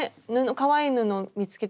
かわいい布見つけて。